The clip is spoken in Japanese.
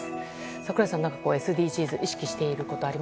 櫻井さんはＳＤＧｓを意識して何かやっていることは？